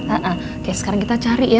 oke sekarang kita cari ya